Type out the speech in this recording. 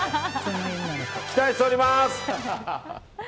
期待しております！